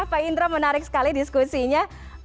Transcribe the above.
pak indra menarik sekali diskusinya